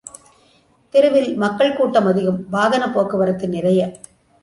தெருவில், மக்கள் கூட்டம் அதிகம் வாகனப் போக்கு வரத்து நிறைய.